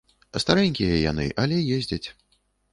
Старэнькія яны, але ездзяць.